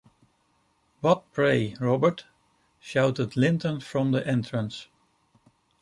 “What prey, Robert?” shouted Linton from the entrance.